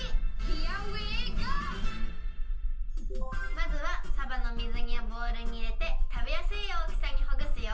まずはさばの水煮をボウルにいれてたべやすいおおきさにほぐすよ。